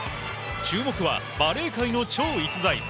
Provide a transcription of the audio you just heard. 注目はバレー界の超逸材